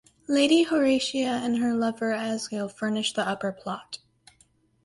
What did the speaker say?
Lady Horatia and her lover Asgill furnish the upper plot.